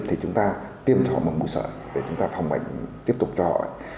thì chúng ta tiêm cho họ bằng mũi sợi để chúng ta phòng bệnh tiếp tục cho họ